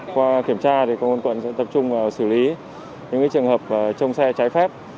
qua kiểm tra công an quận sẽ tập trung vào xử lý những trường hợp trông xe trái phép